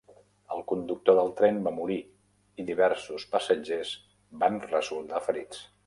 El conductor del tren va morir i diversos passatgers van resultar ferits.